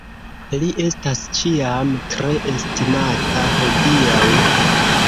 Li estas ĉiam tre estimata hodiaŭ.